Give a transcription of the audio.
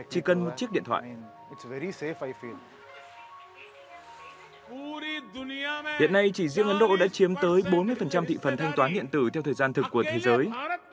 hiện nay chỉ riêng ấn độ đã chiếm tới bốn mươi thị phần thanh toán điện tử theo thời gian thực của thế giới